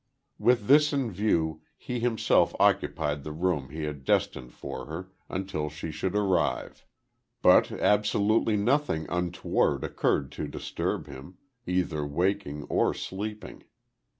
With this in view he himself occupied the room he had destined for her, until she should arrive. But absolutely nothing untoward occurred to disturb him, either waking or sleeping.